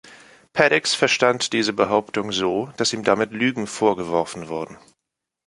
Paddicks verstand diese Behauptung so, dass ihm damit Lügen vorgeworfen wurden.